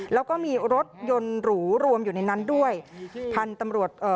แล้วก็มีรถยนต์หรูรวมอยู่ในนั้นด้วยพันธุ์ตำรวจเอ่อ